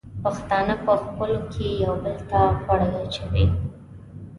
پښتانه په خپلو کې یو بل ته پړی اچوي.